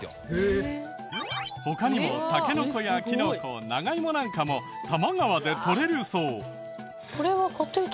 他にもタケノコやキノコ長イモなんかも多摩川で取れるそう。